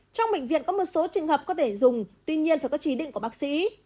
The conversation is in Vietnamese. trong bệnh viện có một số trường hợp có thể dùng tuy nhiên phải có chỉ định của bác sĩ